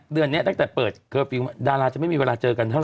เดือนนี้ตั้งแต่เปิดเคอร์ฟิลล์ดาราจะไม่มีเวลาเจอกันเท่าไ